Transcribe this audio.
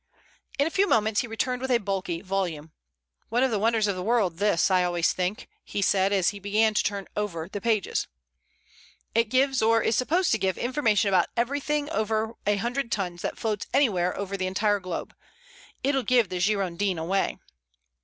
In a few moments he returned with a bulky volume. "One of the wonders of the world, this, I always think," he said, as he began to turn over the pages. "It gives, or is supposed to give, information about everything over a hundred tons that floats anywhere over the entire globe. It'll give the Girondin anyway."